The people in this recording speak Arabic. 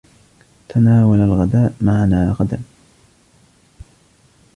تناول الغداء معنا غدا.